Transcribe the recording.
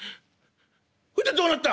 「ほれでどうなった？」。